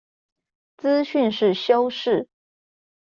資訊是修飾